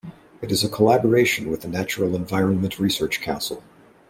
It is a collaboration with the Natural Environment Research Council.